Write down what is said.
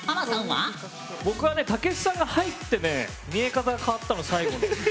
僕は武知さんが入って見え方が変わったの、最後の。